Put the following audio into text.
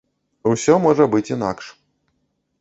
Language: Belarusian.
Усё можа быць інакш.